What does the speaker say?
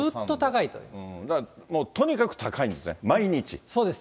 だから、とにかく高いんですそうです。